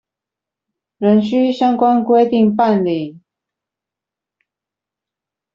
仍須依相關規定辦理